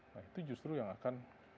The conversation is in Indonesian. nah itu justru yang akan